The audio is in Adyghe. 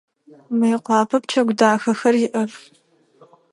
Мыекъуапэ пчэгу дахэхэр иӏэх.